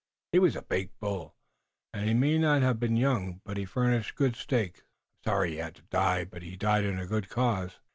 He was a big bull, and he may not have been young, but he furnished good steaks. I'm sorry he had to die, but he died in a good cause."